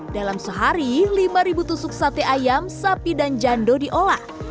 dalam sehari lima tusuk sate ayam sapi dan jando diolah